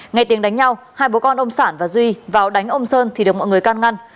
nghe tiếng đánh nhau hai bố con ông sản và duy vào đánh ông sơn thì được mọi người can ngăn